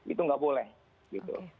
itu nggak boleh gitu